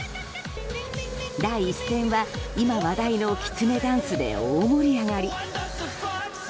第１戦は、今話題のきつねダンスで大盛り上がり。